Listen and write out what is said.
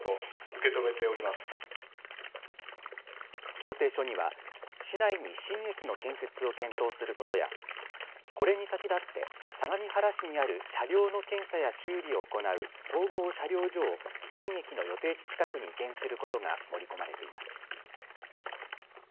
協定書には市内に新駅の建設を検討することやこれに先立って相模原市にある車両の検査や修理を行う総合車両所を新駅の予定地近くに移転することが盛り込まれています。